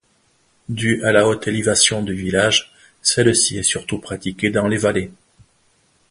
Dû à la haute élévation du village, celle-ci est surtout pratiquée dans les vallées.